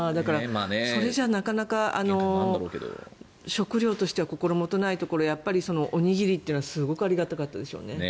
それじゃあなかなか食料としては心もとないところはおにぎりというのはすごくありがたかったでしょうね。